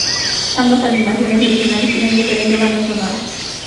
Ambas animaciones originales tienen diferente banda sonora.